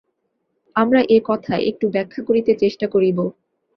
আমরা এ-কথা একটু ব্যাখ্যা করিতে চেষ্টা করিব।